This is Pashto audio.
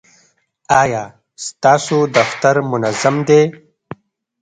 ایا ستاسو دفتر منظم دی؟